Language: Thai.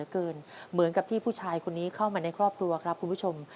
เข้ามาในครอบครัวครับคุณผู้ชม